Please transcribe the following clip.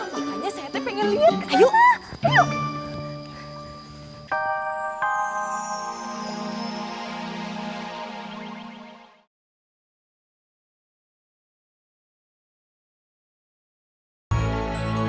makanya saya teh pengen lihat kesana